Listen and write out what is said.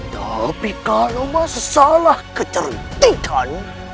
tapi kalau masalah kecerdikan